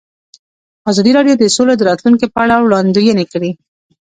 ازادي راډیو د سوله د راتلونکې په اړه وړاندوینې کړې.